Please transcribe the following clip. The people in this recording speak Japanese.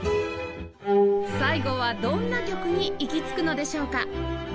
最後はどんな曲に行き着くのでしょうか？